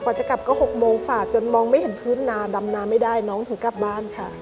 จะกลับก็๖โมงฝ่าจนมองไม่เห็นพื้นนาดำนาไม่ได้น้องถึงกลับบ้านค่ะ